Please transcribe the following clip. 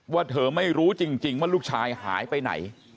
ว่าเธอไม่รู้จริงว่าลูกชายหายไปไหน